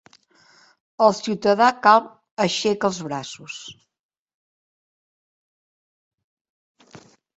El ciutadà calb aixeca els braços.